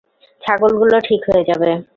ছাগলগুলো ঠিক হয়ে যাবে।